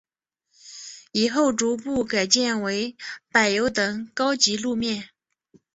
以后逐步改建为柏油等高级路面。